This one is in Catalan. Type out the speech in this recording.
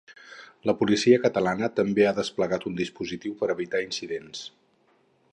La policia catalana també ha desplegat un dispositiu per a evitar incidents.